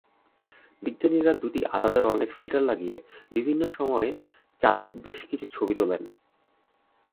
বিজ্ঞানীরা দুটি আলাদা রঙের ফিল্টার লাগিয়ে বিভিন্ন সময়ে চাঁদের বেশ কিছু ছবি তোলেন।